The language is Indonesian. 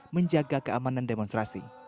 menjaga keamanan demonstrasi